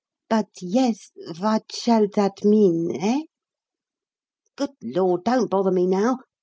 But yes, vat shall that mean eh?" "Good Lord, don't bother me now!